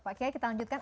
pak giyai kita lanjutkan